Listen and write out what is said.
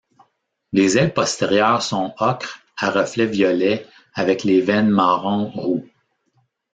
Les ailes postérieures sont ocre à reflets violets avec les veines marron roux.